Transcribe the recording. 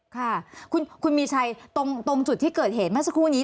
ค่ะคุณมีชัยตรงจุดที่เกิดเหตุเมื่อสักครู่นี้